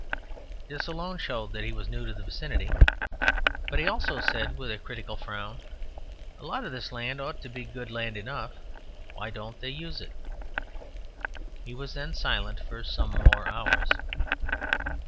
This alone showed that he was new to the vicinity. But he also said, with a critical frown, "A lot of this land ought to be good land enough. Why don't they use it?" He was then silent for some more hours.